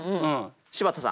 柴田さん